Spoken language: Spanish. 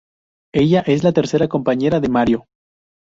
Ella es la tercera compañera de Mario.